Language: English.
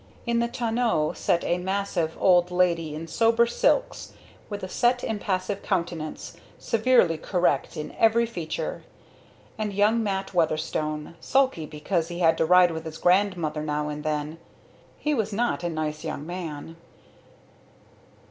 In the tonneau sat a massive old lady in sober silks, with a set impassive countenance, severely correct in every feature, and young Mat Weatherstone, sulky because he had to ride with his grandmother now and then. He was not a nice young man.